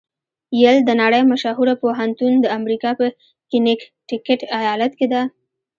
یل د نړۍ مشهوره پوهنتون د امریکا په کنېکټیکیټ ایالات کې ده.